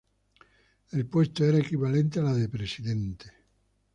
El puesto era equivalente a la de presidente.